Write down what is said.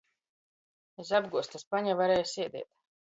Iz apguozta spaņa varēja sēdēt.